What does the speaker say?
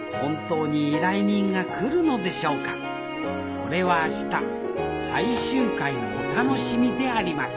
それは明日最終回のお楽しみであります！